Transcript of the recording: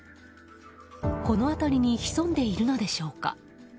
この辺りに潜んでいるのでしょうか。